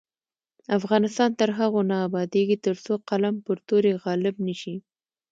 افغانستان تر هغو نه ابادیږي، ترڅو قلم پر تورې غالب نشي.